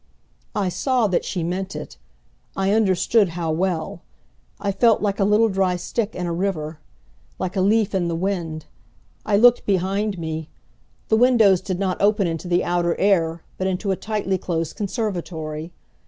I saw that she meant it I understood how well! I felt like a little dry stick in a river, like a leaf in the wind. I looked behind me. The windows did not open into the outer air but into a tightly closed conservatory.